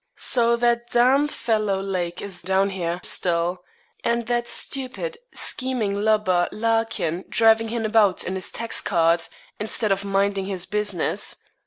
'So that d d fellow Lake is down here still; and that stupid, scheming lubber, Larkin, driving him about in his tax cart, instead of minding his business.